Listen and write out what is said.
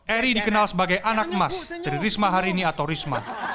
eri dikenal sebagai anak emas dari risma harini atau risma